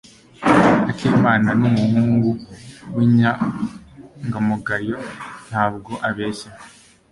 Akimana numuhungu winyangamugayo, ntabwo abeshya.